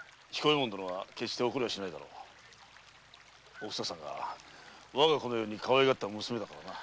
おふささんが我が子のようにかわいがった娘だからな。